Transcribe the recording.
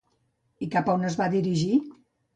I cap a on es va dirigir?